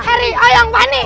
heri oe yang funny